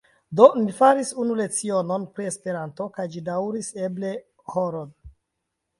Do, mi faris unu lecionon pri Esperanto, kaj ĝi daŭris eble horon.